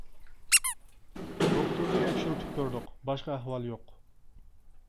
دوختۇردا تەكشۈرتۈپ كۆردۇق، باشقا ئەھۋال يوق.